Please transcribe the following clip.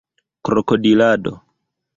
krokodilado